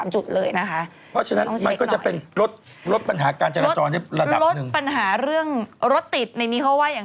จุดเลยนะคะข้อเช็ดนำก็จะเป็นรถรถปัญหาการจัดปันหาเรื่องรถติดในพโตะไว้อย่าง